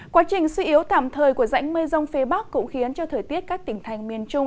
quá trình suy yếu tạm thời của rãnh mây rông phía bắc cũng khiến cho thời tiết các tỉnh thành miền trung